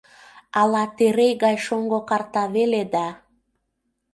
Ала Терей гай шоҥго карта веле да...